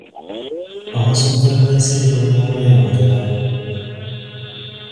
Omusujja gw'ensiri guli mu kweyongera.